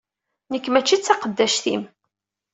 Nekk mačči d taqeddact-im.